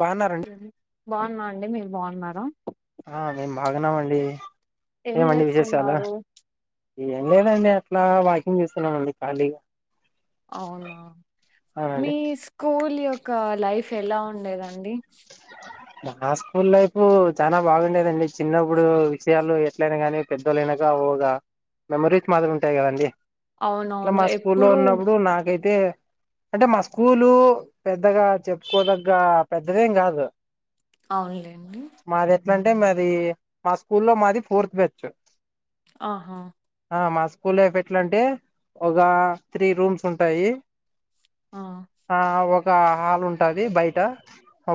బాన్నారా అండి బాగున్నా అండి మీరు బాగున్నారా ఆ మేం బాగున్నామండి ఏం ఏమండి విశేషాలు చేస్తున్నారు ఏం లేదండి అట్లా వాకింగ్ చేస్తున్నామండి ఖాళీగా అవునా అవునండి మీ స్కూల్ యొ క్క లైఫ్ ఎలా ఉండే లేదండి నా స్కూల్ లైఫ్ చానా బాగుండేదండి చిన్నప్పుడు విషయాలు ఎట్లయినా కానీ పెద్దోళ్లైనగా గా మెమరీస్ మాత్రలు ఉంటాయి కదండి అట్లా అవునవును మా స్కూల్లో ఎప్పుడు ఉన్నప్పుడు నాకైతే అంటే మా స్కూలు పెద్దగా చెప్పుకోదగ్గ పెద్ద ఇదేం కాదు అవునులేండి ఎంటే మాది మా స్కూల్ లో మాది ఫోర్త్ బెంచ్ ఆహా మా స్కూల్ లైఫ్ ఎట్లా అంటే ఒక త్రీ రూమ్స్ ఉంటాయి ఆ ఆ ఒక హాల్ ఉంటాది బయట.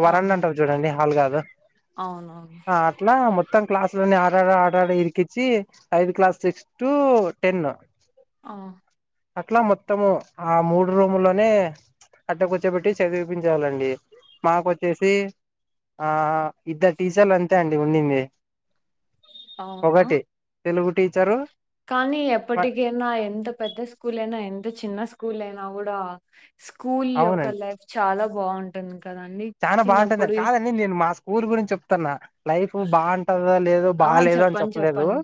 వరండా ఆహా ఉంటాది చూడండి. హాల్ కాదు. అవునవును ఆ అట్లా మొత్తం క్లాస్. లో ఆడాడ ఆడాడ ఇరికిచ్చి ఐదు క్లాస్ సిక్స్ టు టెన్. ఆ. అట్లా మొత్తము ఆ మూడు రూముల్లోనే అడ్డ కూర్చోబెట్టి చదివిపించే వాళ్ళండి. మాకు వచ్చేసి ఆ ఇద్దరు టీచర్లు అంతే అండి ఉండింది. అవునా ఒకటి తెలుగు. టీచరు. కానీ ఎప్పటికైనా ఎంత పెద్ద స్కూల్ అయినా ఎంత చిన్న స్కూల్. స్కూల్ అయినా కూడా. స్కూల్ యొక్క అవునండి లైఫ్ చాలా బాగుంటుంది. కదండి చానా బాగుంటుంది చిన్నప్పుడు కాదండి నేను మా స్కూల్ గురించ్ చెప్తన్నా లైఫ్ బాగుంటాదో లేదు ఆ బాలేదు అని చెప్పండి చెప్పలేదు చెప్పండి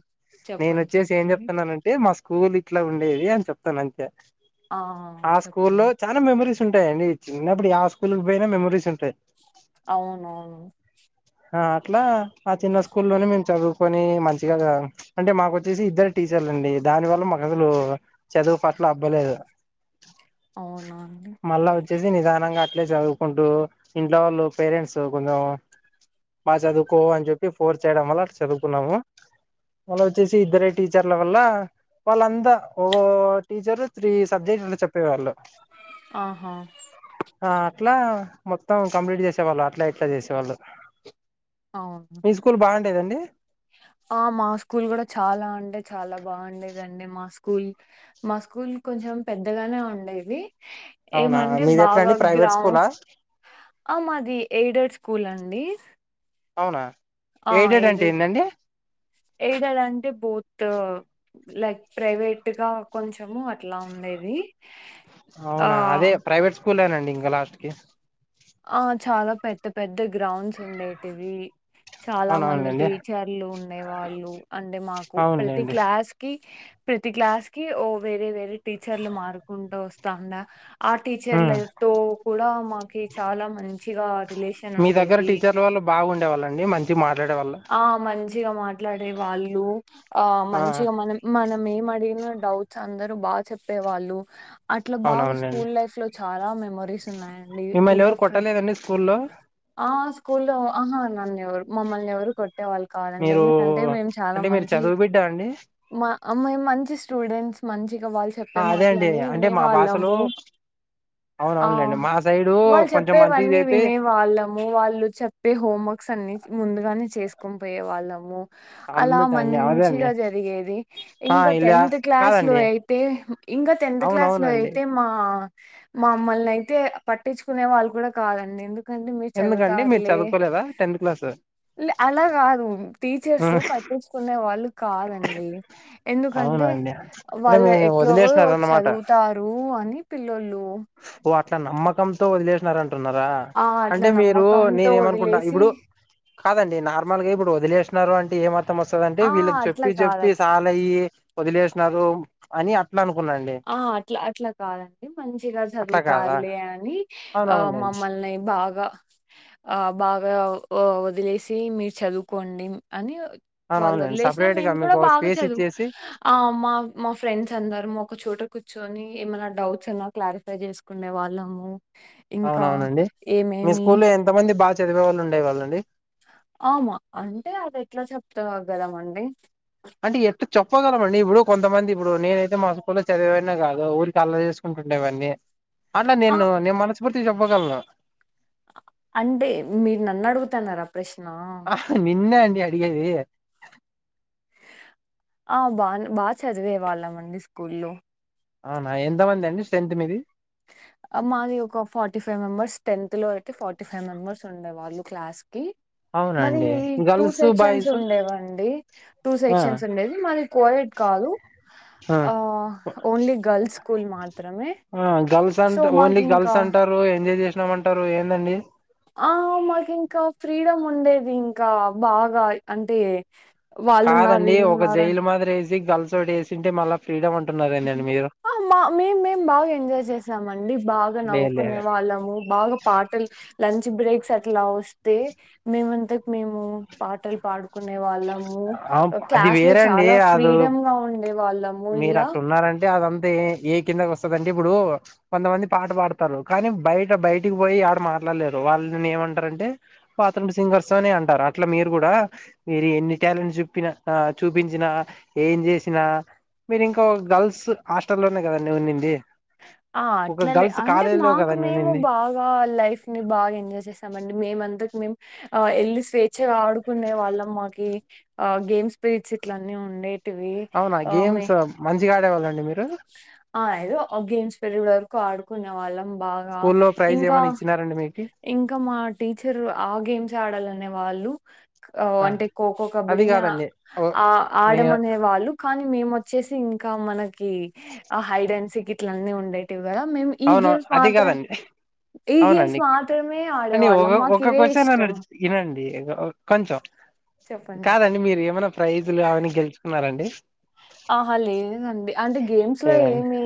నేను చెప్పండి వచ్చేసి ఏం చెప్పండి చెప్తున్నానంటే మస్ కూల్ ఇట్లా ఉండేది అని చెప్తాను అంతే. ఆ ఆ స్కూల్ లో చెప్పండి చానూ మెమరీస్ ఉంటాయండి చిన్నప్పుడు యా స్కూల్ కి పోయినా మెమరీస్ ఉన్ అవునవును. ఆ అట్లా. ఆ చిన్న స్కూల్ లోనే మేం చదువు పోని మంచిగా అంటే మాకు వచ్చేసి ఇద్దరే టీచర్లండి దాని వల్ల మాకు అసలు చదువు పట్ల అబ్బలేదు. అవునా అండి మళ్ళా వచ్చేసి నిదానంగా అట్లే చదువుకుంటూ ఇంట్లో వాళ్ళు పేరెంట్స్ కొంచం బాగా చదువుకో అని చెప్పి ఫోర్స్ చేయడం వల్ల అట్ల చదువుకున్నాము. మల్లా వచ్చేసి ఇద్దరే టీచర్ల వల్ల వాళ్ళంతా ఒగో టీచరు త్రీ సబ్జెక్ట్ అట్ చెప్ పే వాళ్ళు ఆహా ఆ అట్లా. మొత్తం కంప్లీట్ చేసేవాళ్ళు అట్లా ఇట్లా చేసేవాళ్ళు. అవును లేదండి. ఆ మా స్కూల్ కూడా చాలా అంటే చాలా బాగుండేదండి మా స్కూల్ మా స్కూల్ కొంచెం పెద్దగానే ఉండేది. అవునా ఏమంటే బాగా మీదెట్లండి ప్రైవేట్ గ్రౌండ్ స్కూలా. ఆ మాది ఎయిడెడ్ స్కూల్ అండి. అవునా ఆ అంటే ఎయిడెడ్ ఏందండి ఎయిడెడ్ అంటే బో త్ లైక్ ప్రైవేట్ గా కొంచ్ మూ అట్లా ఉండేది ఆ కూలేనండి ఇంగ లాస్ట్కి ఆ చాలా పెద్ద పెద్ద గ్రౌండ్స్ ఉండేటివి చాలా మంది అవునవునులేండి టీచర్లు ఉండే వాళ్ళు అంటే మాకు ప్రతి అవునులేండి క్లాస్ కి ప్రతి క్లాస్ కి ఓ వేరే వేరే టీచర్లు మారుకుంటా వస్తాందా ఆ ఉమ్ టీచర్ల తో కూడా మా కే చాలా మంచిగా రిలేషన్ మీ దగ్గర ఉండేది టీచర్ల వాళ్ళు బాగుండేవాళ్ళండి మంచి మార్ ఆ మంచిగా మాట్లాడే వాళ్ళు ఆ మంచిగా మనం మనం ఏం అడిగిన రావచ్చ అందరుూ బాగా చెప్పేవాళ్ళు అట్లా బాగా అవునవునులేండి స్కూల్ లైఫ్ లో చాలా మెమోరీస్ ఇ మిమ్మల్ని ఎవరు ఫె కొట్టలేదండి స్కూల్లో స్కూల్ లో ఆహా నాన్న ఎవరు మమ్మల్నివరు పెట్టే వాళ్ళు కాదండి మీరు ఎందుకంటే మేము చాలా అంటే మీరు మంచి చదువు బిడ్డ అండి మా మ మంచి స్టూడెంట్స్ మంచి ళు చెప్పే ఆ అదే మాటల అండి అంటే మా వివాళ భాషలో అవునవునులేండి మా సైడు వాళ్ళు కొంచెం మంచిగా చెప్పేవన్న చేతే వివాళు చెే హోవర్క్స్ ముందు క్కుం పోయే వాళ్ళము అలా అందుకండి అదే అండి మంచిగా జరిగేది ఆ ఇంకా ఇలా టెన్త్ క్లాస్ లో కాదండి అయితే ఇంకా టెన్త్ క్లాస్ లో అవునవునండి అయితే మా మా మమ్మల్ని అయితే పట్టించుకునే వాళ్ళు కూడా కాదండి ఎందుకు ఎందుకండి మీరు చదువుకోలేదా టెన్త్ క్లాస్ లే అలా కాదు టీచర్స్ పట్టించుకునే వాళ్ళు కాదండి ఎందుకంటే అవునా అండి అంటే వాళ్ళు మీరు ఎట్లా వదిలేసినారన్నమాట చదువుతారు అని పిల్ లోలు ఓ అ నమ్మకంతో వదిలేసినార న్నారా ఆ! అట్లా అంటే మీరు నమ్మకంతో నేనే ఏమనుకుంటా వదిలేసి ఇప్పుడు కాదండి నార్మల్ గా ఇప్పుడు వదిలేసిన్నారు అంట ఏమ్మ్ మం వస్తుదంటే ఆ! వీళ్ళకి అట్లా చెప్పి చెప్పి కాదట్లా. సాలయ్యి వదిలేసినారు అని అట్ ఆ అట్లా అట్లా కాదండి మం గా చదువు అట్లా కాదా ఉతారులే అని అ అవునవునండి మమ్మల్ని బాగా బ ఆ బాగా ఒ వదిలేసి మీరు చదువుకోండి అని వాల్ అవునవునండి వదిలేసినా సపరేట్ గా మేము కూడా మీకు బాగా స్పేస్ చదువు ఇచ్చేసి ఆ మా మా ఫ్రెండ్స్ అందరము ఒక్ చోట కూర్చొని ఏమైనా డౌట్స్ వున్నా క్లారిఫై చేసుకునే వాళ్ళము ఇంకా అవునవునండి మీ ఏమేమి స్కూల్ లో ఎంత మంది బాగ్ చదివే వాళ్ళు ఉండే వాళ్ళండి ఆమా అంటే అది ఎట్లా చెప్తావ్ కదామండి అంటే ఎట్లా చెప్పగలమండి ఇప్పుడు కొంతమంది ఇప్పుడు నేనైతే మా స్కూల్లో చదివే వానే కాదు ఊరికి అల్లరి చేసుకుంటుండేవాన్నీ అన్న ఆ నేను నేన్ మనస్ స్ఫూర్తి తీ చెప్పగల్నా అంటే మీరు నన్ను అడుగుతన్నారా ప్రశ్నా న్నే అడిగేది ఆ బాన్ బా చదివే వాళ్ళం అండి స్కూల్లో అవునా ఎంతమంది అండి స్ట్రెంత్ మీది? మాది ఒక ఫార్టీ ఫైవ్ మెంబర్స్ టెన్త్ లో పెట్టి ఫార్టీ ఫైవ్ మెంబర్స్ ఉండే వాళ్ళు క్లాస్ కి మదీ అవునండి టూ గర్ల్స్ సెక్షన్స్ బాయ్స్ ఉండేవండి, టూ ఆ సెక్షన్స్ ఉండేది మది కోయిడ్ కాదు ఆ ఓన్లీ గర్ల్స్ స్కూల్ మాత్రమే. సో సంట ఓన్లీ మాకు గర్ల్స్ ఇంకా అంటారు ఎ ఎంజాయ్ చేసినామంటారు ఏందండి? ఆ మాకింకా ఫ్రీడమ్ ఉండేది ఇంకా బాగా అంటే వాళ్ళున్నారు కాదండి ఒక వీళ్ళున్నారు జైలు మాదిరి గల్స్ తోటే చేసింటే మళ్ల అహ మా మేం మేం బాగా ఎంజాయ్ చేసామండి బాగా లేదు నవ్వుకునే లేదు వాళ్ళము బాగా పాటలు లం చ్ బ్రేక్స్ అట్లా వస్తే, మేమంతకు మేము పాటలు పాడుకునే వాళ్ళం మూ ఆ, అది క్లాస్ లో వేరే అండి చాలా అది ఫ్రీడమ్ గా ఉం డే వాళ్ళము ఇలా టే అదంతా ఎ ఏ కిందకి వస్తదంటే ఇప్పుడు కొంతమంది పాట పాడుతారు కానీ బయట బయటకి పోయి ఆడ మాట్లాడలేరు వాళ్ళనీ ఏమంటారంటే పాత్రూమ్ సింగర్స్ అని అంటారు. అట్లా మీరు కూడా మీరు ఎన్ని టాలెంట్ జెప్పిన, ఆ చూపించినా ఏం చేసినా, మీరింక గర్ల్స్ హాస్టల్లోనే గదండీ ఉండింది ఆ అట్లలె అంటే మాకు కదండి మేము ఉన్నింది బాగా లైఫ్ ని బాగా ఎంజాయ్ చేసామండి, మేమందకు మేం ఆ ఎల్ స్వే చ్చగా ఆడుకునే వాళ్ళం మాకి ఆ గేమ్స్ పిరిడ్స్ ఇట్ల అన్నీ ఉండే అవునా గేమ్స్ మం చిగ ఆడేవాళ్లండి మీ ఆ ఏదొ ఒ గేమ్స్ పెరిడ్ వరకు ఆడుకునే వాళ్ళం స్కూ లో ప్రైజ్ ఏమన్న ఇచ్చినారండి మీ ఇంక మా టీచర్ ఆ గేమ్స్ ఆడాల నే వాళ్ళు ఆ అంటే ఖోఖో, అది కబడ్డీని కాదండి ఓ, ఆ నే ఆడమనే వాళ్ళు కానీ మేమో వచ్చేసి ఇంకా మనకి ఆ హైడెన్సిక్ ఇట్లన్నీ ఉండేటివి గదా మేము ఈ అవును గేమ్స్ అది మాత్రం కాదండి ఈ గేమ్స్ అవునండి మాత్రమే ఆడవాళ్ళం మాకివే ఇష్టం డి ఏదో కొంచెం చెప్పండ్ జెప్ కాదండి మీరు ఏమైనా ప్రైజులు అవన్నీ గెలుచుకున్నారండి అహ లేదండి అంటే గేమ్స్ లో లేదండి ఏమి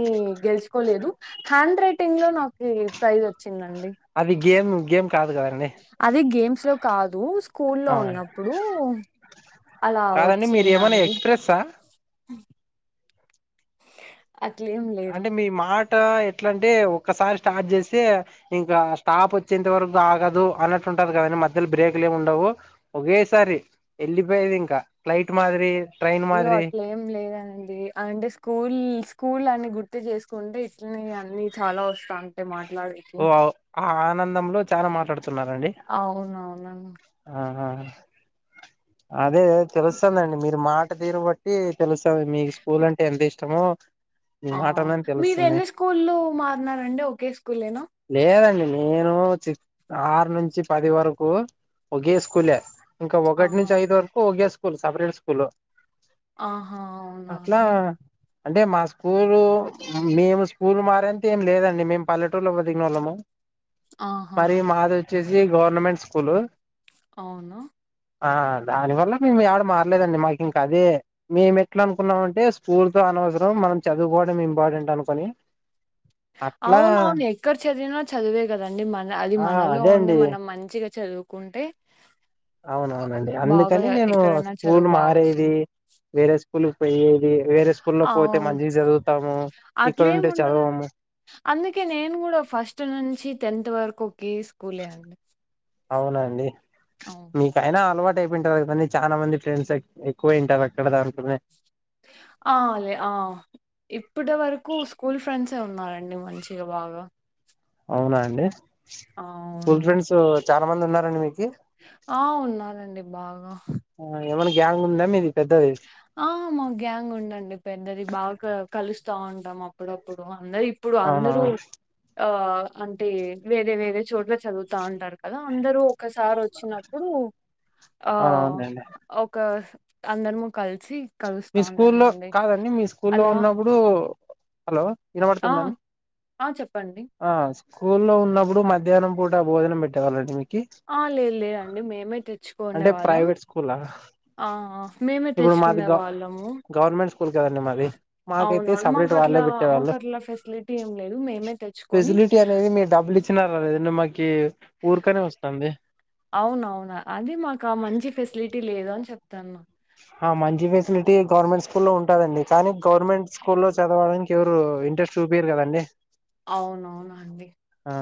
గెలుచుకోలేదు హ్యా హ్యాండ్రైటింగ్ లో నాకి ప్రైజొచ్చిందండి గేము గేమ్ కాదు కదండి స్లొ కాదు స్ కూల్లో అవునండి ఉన్నప్పుడు అలా కాదండి మీరు ఏమైనా వచ్చిందండి ఎక్స్ప్రెస్సా అట్లేం లేద్ లే ట ఎట్లంటే ఒక్కసారి స్టార్ట్ జేసే ఇంక స్టాపొచ్చేంత వరకు ఆగదు అన్నట్టుంటాది కదండి మధ్యలో బ్రేక్లేముండవు ఒకేసారి ఎళ్ళిపోయేదింక ఫ్లైట్ మాదిరి ట్రైన్ అయ్యో మాదిరి అట్లేమ్ లేదండి అంటె స్కూల్ స్కు కూల్లన్ని గుర్తు జేసుకుంటే ఇట్లనే ఇగ అన్ని చాలా వస్తాంటాయ్ మాట్ ఓ ఔ ఆ ఆనందంలో చాలా మాట్లాడుతున్నారండి అవునవునండి ఆ అదే తెలుస్తాందండి మీరు మాట్ ట్టె తీరు బట్టి తెలుస్తాంది మీకు స్కూలంటే ఎంత ఇష్టమో మీ ఆ మాటలోనే తెలుస్తుంది మీరెన్ని స్కూల్లు మారినారండి ఒకే స్కూ లేేదండి మ్ నేను చిక్ ఆర్ నుంచి పది వరకు ఒకే స్కూలే ఇంక ఒగట్ ఆహా నుంచి ఐదు వరకు ఒగే స్ కూల్ సపరేట్ స్కూలు ఆహా అవునా అండి అంటే మా స్కూలు మేము స్కూల్ మారేంతేం లేదండి మేమ్ పల్లెటూర్లో బతికినోళ్లము ఆహా వొచ్చేసి గవర్నమెంట్ స్కూలు ఔనా ఆ దానివల్ల మేమ్ యాడ మారలేదండి మాకింకదే మేమెట్లనుకున్నామంటే స్కూల్ తో అనవసరం మనం చదువుకోవడం ఇంపార్టెంట్ అనుకొని అట్లా అవునవును ఎక్కడ చదివినా చదువే కదండి మన అది ఆ మనలో అదే ఉండి అండి మనం మంచిగ చదువుకుంటే అవునవునండి బాగా అందుకని నేను ఎక్కడైనా స్కూల్ చదువు బాగా మారేది వస్తుంది వేరే స్ కులుక్ పొయ్యేది అవును అట్లేం ఇక్కడుంటే ఉండదు చదవము అందుకే నేను కూడా ఫస్ట్ నుంచి టెన్త్ వరకు ఒకే స్కూలే అండి అవునండి అవును మీకైనా అలవాటు టెన్త్ అయిపోయింటాది అని చాలామంది చాలా మంది ఫ్రెండ్స్ ఎక్కువ ఇంటర్ అక్కడ దాకానే ఆ లే ఆ ఇప్పటి వరకు స్కూల్ ఫ్రెండ్సే ఉన్నారండి మంచిగా బాగా అవునా అండి అవును స్కూల్ ఫ్రెండ్స్ చాలా మంది ఉన్నారండి మీక ఆ ఉన్నానండి బాగా ఏమన్నా గ్యాంగ్ ఉందా మీది పెద్దది ఆ మా గ్యాంగ్ ఉండండి పెద్దది బాగా కలుస్ స్తా ఉంటాం అప్పుడప్పుడు అందరు ఇప్పుడు అందరూ అవునవును ఆ అంటే వేరే వేరే చోట్ల చదువుతా ఉంటారు కదా అందరూ ఒక్కసారి వచ్చినప్పుడు ఆ అవునవునండి ఒక అందరము కలిసి కలుస్తా మీ స్కూలో ఉంటామండి కాదండి మీ స్కూలో అలా ఉన్నప్పుడు హలో ఆ వినబడుతుందా అండి ఆ చెప్ప్ ఆ స్కూల్లో ఉన్నప్పుడు మధ్యాహ్నం పూట భోజనం పెట్టేవాళ్లండి మీకు ఆ లేదు లేదండి మేమే తెచ్చుకోనే అంటే వాళ్ళం ప్రైవేట్ స్కూలా ఆ మేమే ఇప్పుడు మాది తెచ్చుకునే గ వాళ్ళము గవర్నమెంట్ స్కూల్ కదండి మాది మాకైతే అవునవును మాకు సపరేట్ అట్లా వాళ్ళే మాకు పెట్టేవాళ్ళు అట్లా ఫెసిలిటీ ఏం లేదు మేమే తెచ్చుకు ఫెసిలిటీ అనేది మీరుడబ్బులు ఇచ్చినా రాదు నిన్న మాకి ఊరికనే వస్తుంది అవును అవునా అది మాకు మంచి ఫెసిలిటీ లేదు అని చెప్తున్నా హా మంచి ఫెసిలిటీ గవర్నమెంట్ స్కూల్ లో ఉంటుదండి కానీ గవర్నమెంట్ స్కూల్లో చదవడానికి ఎవరు ఇంట్రెస్ట్ చూపియరు కదండి అవునవును అండి ఆ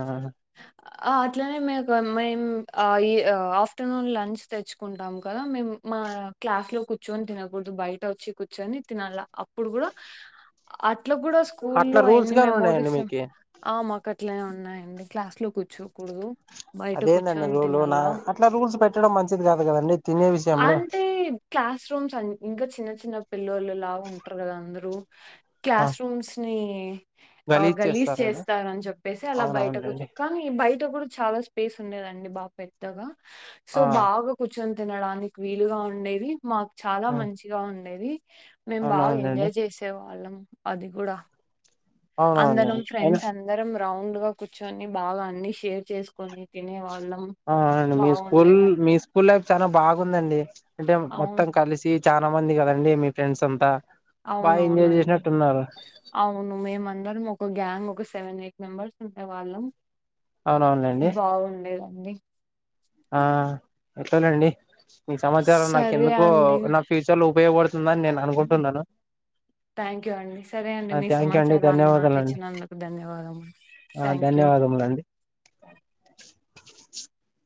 ఆ అట్లనే మీకు మేము ఆ ఈ ఆఫ్టర్నూన్ లంచ్ తెచ్చుకుంటాం కదా మేము మా క్లాస్ లో కూర్చొని తినకూడదు బయట వచ్చి కూర్చొని తినాల అప్పుడు కూడా అట ఇట్ల కూడా స్కూల్లో అట్లా రూల్స్ ఎన్ని గాని ఉన్నాయండి మెమోరీస్ మీకి ఆ మాకు అట్లనే ఉన్నాయండి క్లాస్ లో కూర్చోకూడదు బయట అదేందండి కూర్చొని రూల్ నా తినాల. అట్లా రూల్స్ పెట్ ట్టడం మంచిది కాద్ అంటే క్లాస్ రూమ్స్ ఇంకా చిన్న చిన్న పిల్లోళ్ళు లాగా ఉంటారు కదా అందరు ఆ క్లాస్ రూమ్స్ నీ ఇ ఆ గలీజ్ చేస్తారని చెప్పేసి అలా బయట కూచ్ అవునవునులేండి కానీ బయట్ త కూడా చాలా స్పేస్ ఉండేదండి బా పెద్దగా సో ఆ బాగా కు కూచోని తినడానికి వీలుగా ఉండేది మాక్ చాలా ఆ మంచిగా ఉండేది మేం బాగా అవునవునండి ఎంజాయ్ చేసే వాళ్ళం అది కూడా అందరం అవునవునండి అయినా ఫ్రెండ్స్ అందరం రౌండ్ గా కూర్చొని బాగా అన్ని షేర్ చేసుకొని తినేవాళ్ ఆ అండి మీ స్కూల్ మీ స్కూల చాలా బాగుందండి అంటే అవును. మొత్తం కలిసి చానా మంది కదండి మీ ఫ్రెండ్స్ అంతా బాగా ఎంజాయ్ అవునవునండి చేసినట్టున్నారు అవును మేమందరం ఒక గ్యాంగ్ ఒక సెవెన్ ఎయి మెంబర్స్ ఉండేవాళ్ళం అవునవునండి బాగుండేది అండి ఆ ఎట్లనండి మీ సమాచారం సరే నాకెందుకో అండి నా ఫ్యూచర్ లో ఉపయోగపడుతుందని నేను అనుకుంటున్నాను థ్యాంక్యూ అండి సరే అండి మీ థ్యాంక్ యూ అండి సమాచారాన్ని నాకు ధన్యవాదాలండి ఇచ్చినందుకు ధన్యవాదము ఆ! థ్యాంక్యూ ధన్యవాదములండి [inaudible]